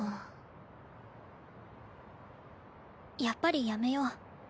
やっぱりやめよう。